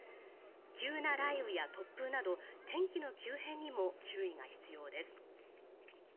急な雷雨や突風など天気の急変にも注意が必要です。